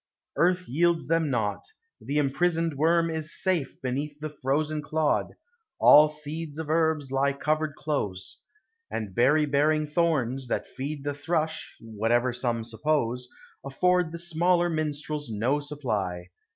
Earth yields them naught; the imprisoned worm is safe Beneath the frozen clod; all seeds of herbs Lie covered close ; and berry bearing thorns, That feed the thrush (whatever some suppose), Afford the smaller minstrels no supply.